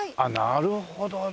なるほどね。